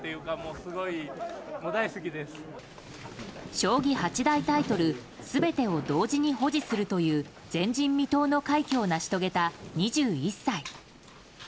将棋八大タイトル全てを同時に保持するという前人未到の快挙を成し遂げた２１歳。